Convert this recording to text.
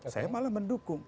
saya malah mendukung